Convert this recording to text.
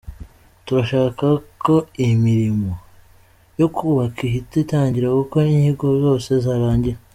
Turashaka ko imirimo yo kubaka ihita itangira kuko inyigo zose zarangiye.”